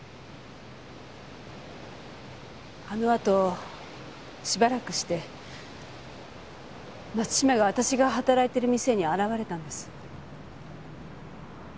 あのあとしばらくして松島が私が働いてる店に現れたんです。